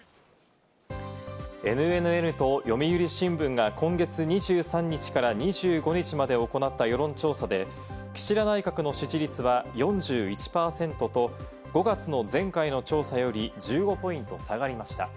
ＮＮＮと読売新聞が今月２３日から２５日まで行った世論調査で岸田内閣の支持率は４１％と、５月の前回の調査より１５ポイント下がりました。